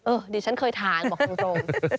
ดิฉันเคยทานบอกตรง